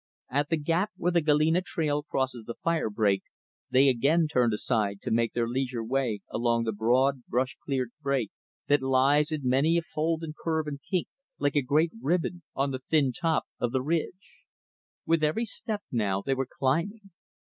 At the gap where the Galena trail crosses the fire break, they again turned aside to make their leisure way along the broad, brush cleared break that lies in many a fold and curve and kink like a great ribbon on the thin top of the ridge. With every step, now, they were climbing.